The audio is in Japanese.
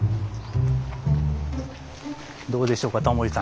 どうでしょうかタモリさん